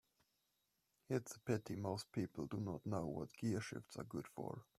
It's a pity most people do not know what gearshifts are good for.